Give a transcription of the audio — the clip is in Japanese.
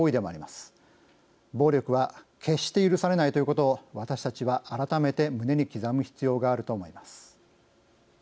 暴力は決して許されないということを私たちは改めて胸に刻む必要があると思います。